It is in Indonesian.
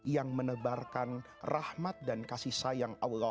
yang menebarkan rahmat dan kasih sayang allah